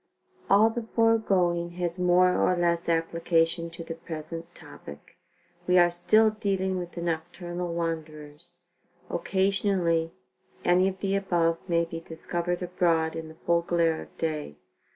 All the foregoing has more or less application to the present topic. We are still dealing with the nocturnal wanderers. Occasionally any of the above may be discovered abroad in the full glare of day.